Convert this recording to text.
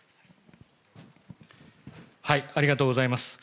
ありがとうございます。